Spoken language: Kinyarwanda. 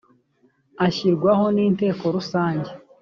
ashyirwaho n’inteko rusange